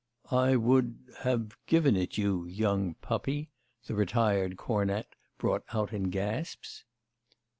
'I would... have given it you... young puppy,' the retired cornet brought out in gasps.